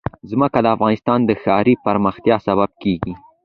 ځمکه د افغانستان د ښاري پراختیا سبب کېږي.